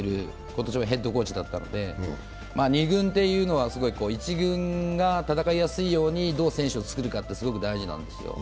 今年もヘッドコーチだったので、２軍は１軍が戦いやすいように、どう選手を作るかって大事なんですよ。